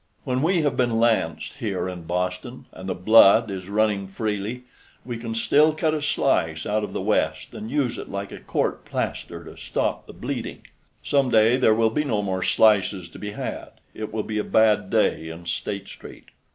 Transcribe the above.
"When we have been lanced here in Boston and the blood is running freely, we can still cut a slice out of the West and use it like court plaster to stop the bleeding. Some day there will be no more slices to be had. It will be a bad day in State Street."